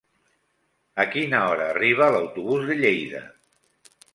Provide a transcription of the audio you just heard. A quina hora arriba l'autobús de Lleida?